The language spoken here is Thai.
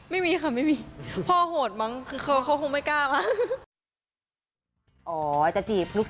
ไม่มีค่ะไม่มีพ่อโหดมั้งคือเขาคงไม่กล้ามา